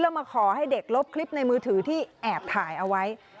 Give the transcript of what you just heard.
แล้วมาขอให้เด็กลบคลิปในมือถือที่แอบถ่ายเอาไว้